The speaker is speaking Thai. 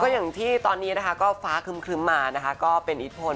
ก็อย่างที่ตอนนี้ฟ้าคลึมมาก็เป็นอีทฟส์